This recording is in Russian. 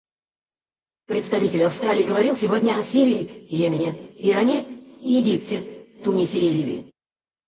Представитель Австралии говорил сегодня о Сирии, Йемене, Иране, Египте, Тунисе и Ливии.